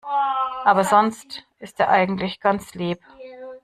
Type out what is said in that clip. Aber sonst ist er eigentlich ganz lieb.